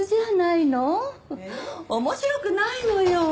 面白くないのよ。